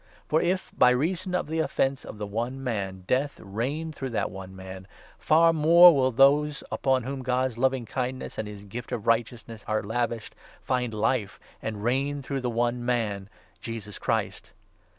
For if, by reason of the offence of 17 the one man, Death reigned through that one man, far more will those, upon whom God's loving kindness and his gift of righteousness are lavished, find Life, and reign through the one man, Jesus Christ.